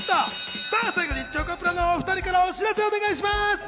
最後にチョコプラの２人からお知らせお願いします。